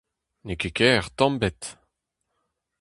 N'eo ket ker tamm ebet !